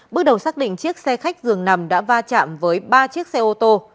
bước đầu xác định chiếc xe khách dường nằm đã va chạm với ba chiếc xe ô tô